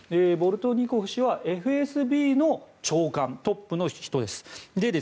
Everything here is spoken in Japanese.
ボルトニコフ氏はＦＳＢの長官トップの人です。